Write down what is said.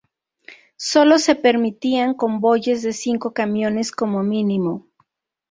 Sólo se permitían convoyes de cinco camiones como mínimo.